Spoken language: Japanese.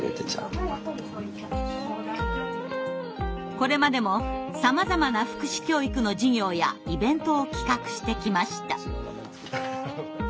これまでもさまざまな福祉教育の授業やイベントを企画してきました。